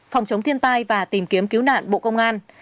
phòng chống thiên tai và tìm kiếm cứu nạn bộ công an